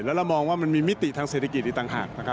แล้วเรามองว่ามันมีมิติทางเศรษฐกิจอีกต่างหากนะครับ